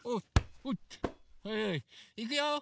いくよ！